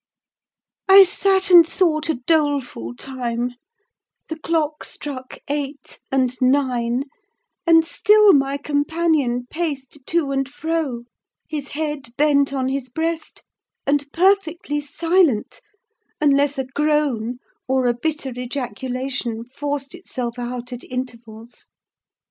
I sat and thought a doleful time: the clock struck eight, and nine, and still my companion paced to and fro, his head bent on his breast, and perfectly silent, unless a groan or a bitter ejaculation forced itself out at intervals.